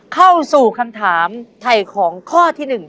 เข้าสู่คำถามไถ่ของข้อที่๑